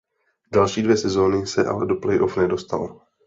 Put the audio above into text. Další dvě sezony se ale do playoff nedostal.